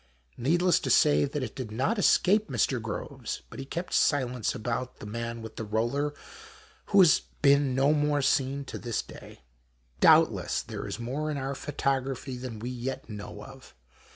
Needless jto say that it did not escape Mr. Groves. But lie kept silence about the man with the roller, wMio has been no more seen to this day. \ Doubtless there is more in our photography than we yet know of.